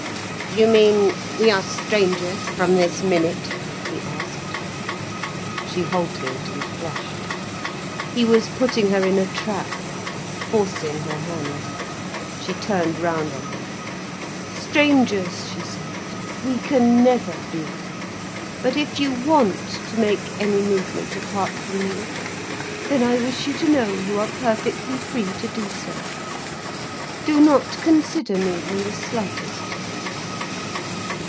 "You mean we are strangers from this minute?" he asked. She halted and flushed. He was putting her in a trap, forcing her hand. She turned round on him. "Strangers," she said, "we can never be. But if you want to make any movement apart from me, then I wish you to know you are perfectly free to do so. Do not consider me in the slightest."